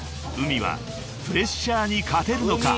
［ＵＭＩはプレッシャーに勝てるのか？］